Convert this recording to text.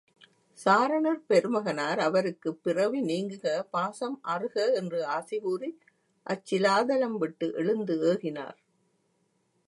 சாரணர் பெருமகனார் அவருக்குப் பிறவி நீங்குக பாசம் அறுக என்று ஆசி கூறி அச்சிலாதலம் விட்டு எழுந்து ஏகினார்.